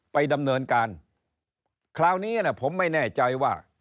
ไปดำเนินการคราวนี้ผมไม่แน่ใจว่า